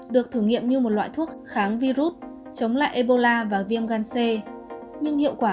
được thử nghiệm như một loại thuốc kháng virus chống lại ebola và viêm gan c nhưng hiệu quả